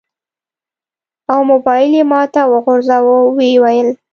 او موبایل یې ماته راوغورځاوه. و یې ویل: